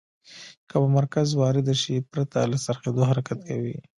که په مرکز وارده شي پرته له څرخیدو حرکت کوي.